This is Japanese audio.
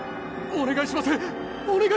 お願いします！